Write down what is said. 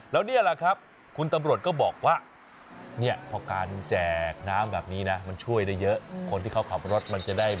แล้วนี่แหละครับคุณตำรวจก็บอกว่าพอการแจกน้ำแบบนี้นะ